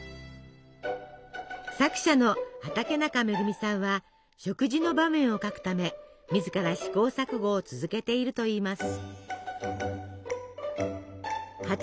作者の畠中恵さんは食事の場面を書くため自ら試行錯誤を続けているといいます。